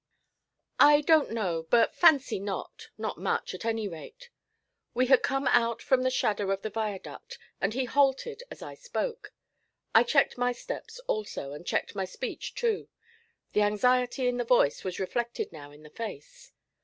'I don't know, but fancy not not much, at any rate.' We had come out from the shadow of the viaduct, and he halted as I spoke. I checked my steps also, and I checked my speech too. The anxiety in the voice was reflected now in the face.